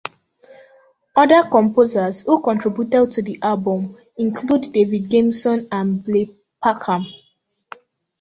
Other composers who contributed to the album include David Gamson and Blair Packham.